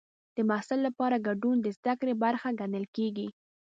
د محصل لپاره ګډون د زده کړې برخه ګڼل کېږي.